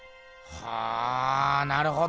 はあなるほどね。